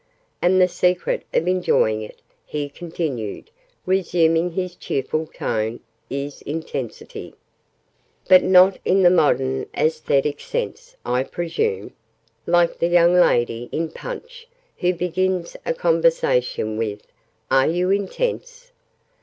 "And the secret of enjoying it," he continued, resuming his cheerful tone, "is intensity!" "But not in the modern aesthetic sense, I presume? Like the young lady, in Punch, who begins a conversation with 'Are you intense?'"